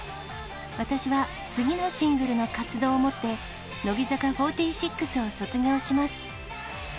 私は次のシングルの活動をもって、乃木坂４６を卒業します。